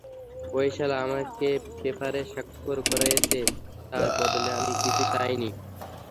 ওই শালা আমাকে পেপারে স্বাক্ষর করাইছে, তার বদলে আমি কিছুই চাইনি।